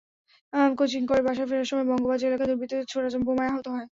Coaching করে বাসায় ফেরার সময় বঙ্গবাজার এলাকায় দুর্বৃত্তদের ছোড়া বোমায় আহত হয়।